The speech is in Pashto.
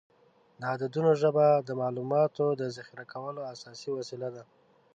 د عددونو ژبه د معلوماتو د ذخیره کولو اساسي وسیله ده.